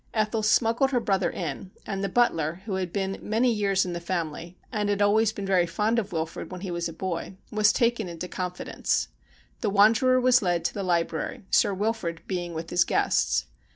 Ethel smuggled her THE UNBIDDEN GUEST 117 brother in, and the butler, who had been many years in the family, and had always been very fond of Wilfrid when he was a boy, was taken into confidence. The wanderer was led to the library, Sir Wilfrid being with his guests.